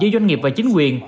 doanh nghiệp và chính quyền